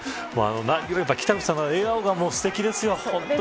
何より北口さんの笑顔がすてきです。